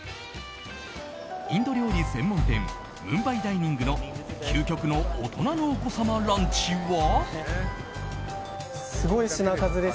インド料理専門店ムンバイダイニングの究極の大人のお子様ランチは？